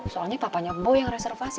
soalnya papanya bo yang reservasi